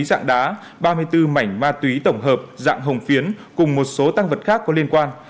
dạng đá ba mươi bốn mảnh ma túy tổng hợp dạng hồng phiến cùng một số tăng vật khác có liên quan